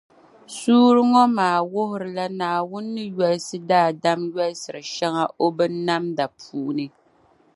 Suurili ŋɔ maa wuhirila Naawuni ni yolisi daadam yolisiri shεŋa o binnamda puuni.